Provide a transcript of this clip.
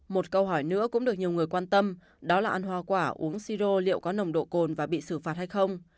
một câu hỏi nữa cũng được nhiều người quan tâm đó là ăn hoa quả uống siro liệu có nồng độ cồn và bị xử phạt hay không